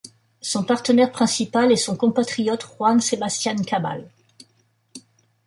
Son partenaire principal est son compatriote Juan Sebastián Cabal.